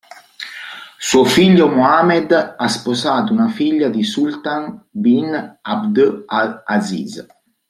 Suo figlio, Mohammed, ha sposato una figlia di Sultan bin Abd al-Aziz.